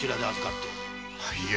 いえ。